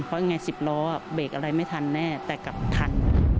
เพราะยังไง๑๐ล้อเบรกอะไรไม่ทันแน่แต่กลับทัน